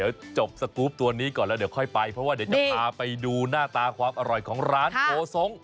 เดี๋ยวจบสกรูปตัวนี้ก่อนแล้วเดี๋ยวค่อยไปเพราะว่าเดี๋ยวจะพาไปดูหน้าตาความอร่อยของร้านโกสง